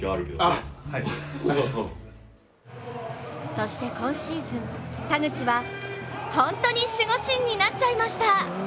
そして今シーズン、田口は本当に守護神になっちゃいました。